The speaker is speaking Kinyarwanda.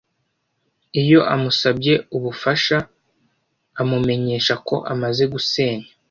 iyo amusabye ubufashaamumenyesha ko amaze gusenya